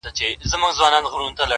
او زمونږ لاس تور سپي څټلی دی